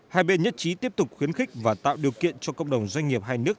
hai bên nhất trí tiếp tục khuyến khích và tạo điều kiện cho cộng đồng doanh nghiệp hai nước